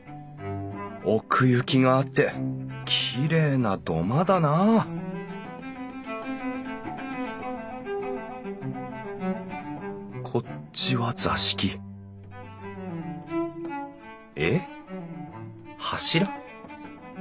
奥行きがあってきれいな土間だなこっちは座敷えっ柱？